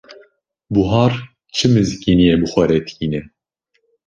Buhar çi mizgîniyê bi xwe re tîne?